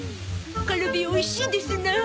カルビおいしいですな。